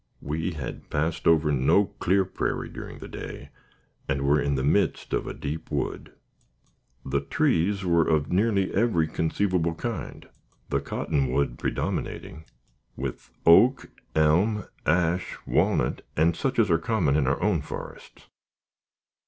We had passed over no clear prairie during the day, and were in the midst of a deep wood. The trees were of nearly every conceivable kind the cottonwood predominating, with oak, elm, ash, walnut, and such as are common in our own forests.